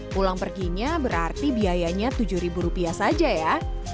pulang perginya berarti biayanya rp tujuh saja ya